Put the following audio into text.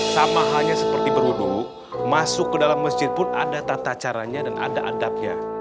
sama halnya seperti berwudu masuk ke dalam masjid pun ada tata caranya dan ada adabnya